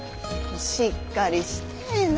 しっかりしてえな。